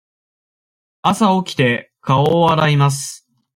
朝起きて、顔を洗います。